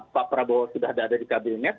pak prabowo sudah ada di kabinet